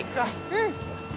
うん。